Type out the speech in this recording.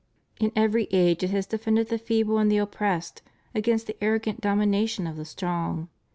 In every age it has defended the feeble and the oppressed against the arrogant domination of the strong.